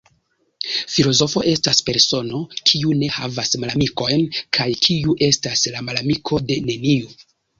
Filozofo estas persono, kiu ne havas malamikojn kaj kiu estas la malamiko de neniu.